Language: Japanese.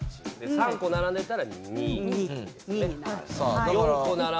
３個並んでいたら２ですね。